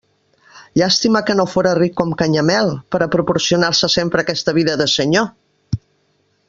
Llàstima que no fóra ric com Canyamel, per a proporcionar-se sempre aquesta vida de senyor!